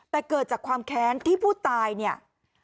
แต่เกิดจากความแค้นที่ผู้ตายเนี่ย